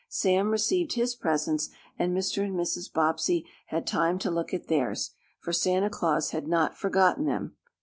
Sam received his presents, and Mr. and Mrs. Bobbsey had time to look at theirs, for Santa Claus had not forgotten them.